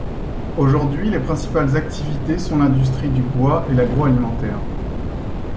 Aujourd'hui les principales activités sont l'industrie du bois et l'agro-alimentaire.